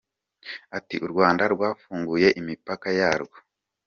Ati “U Rwanda rwafunguye imipaka yarwo.